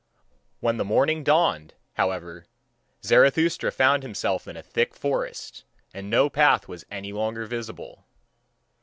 When the morning dawned, however, Zarathustra found himself in a thick forest, and no path was any longer visible.